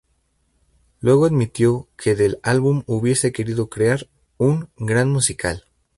Luego admitió que del álbum hubiese querido crear un "gran musical".